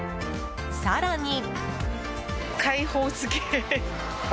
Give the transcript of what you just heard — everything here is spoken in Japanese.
更に。